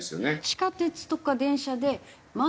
地下鉄とか電車で窓